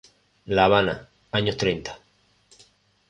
La Habana, años treinta.